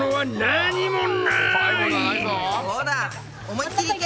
思いっきりいけ！